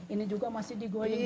ini juga masih di goyang gini